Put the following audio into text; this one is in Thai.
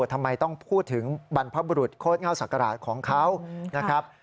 ทำไมต้องพูดถึงบรรพบุรุษโคตรเง่าศักราชของเขานะครับ